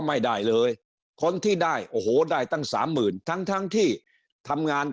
ไม่ได้เลยคนที่ได้โอ้โหได้ตั้ง๓๐๐๐๐ทั้งที่ทำงาน